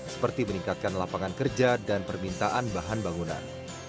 seperti meningkatkan lapangan kerja dan permintaan bahan bangunan